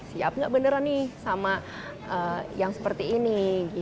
siap nggak beneran nih sama yang seperti ini